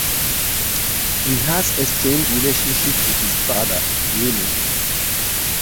He has a strained relationship with his father, Bruno.